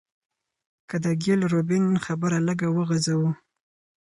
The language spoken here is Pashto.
که د ګيل روبين خبره لږه وغزوو